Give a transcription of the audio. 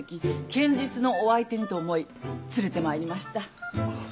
剣術のお相手にと思い連れてまいりました。